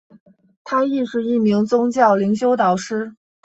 她亦是一名宗教灵修导师。